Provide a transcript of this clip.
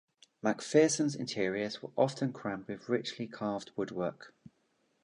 MacPherson's interiors were often crammed with richly carved woodwork.